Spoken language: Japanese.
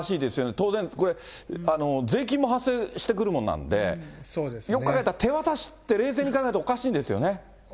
当然これ、税金も発生してくるものなんで、よく考えたら手渡しって、冷静に考おかしいんですよ。